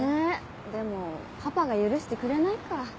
でもパパが許してくれないか。